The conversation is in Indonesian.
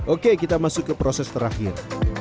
oke kita masuk ke proses terakhir